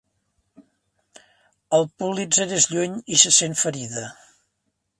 El Pulitzer és lluny i se sent ferida.